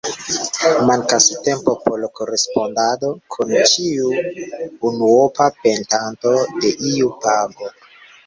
Mankas tempo por korespondado kun ĉiu unuopa petanto de iu pago.